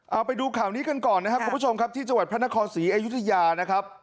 เอาไปดูข่าวนี้กันก่อนนะครับคุณผู้ชมครับที่จังหวัดพระนครศรีอยุธยานะครับ